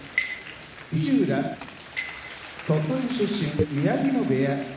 石浦鳥取県出身宮城野部屋